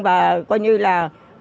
và coi như là